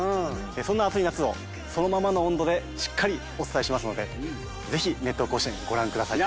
そんな暑い夏をそのままの温度でしっかりお伝えしますのでぜひ『熱闘甲子園』ご覧ください。